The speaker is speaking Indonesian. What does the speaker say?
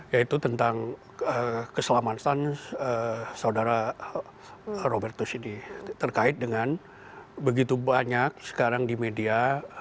yaitu tentang keselamatan saudara robertus ini terkait dengan begitu banyak sekarang di media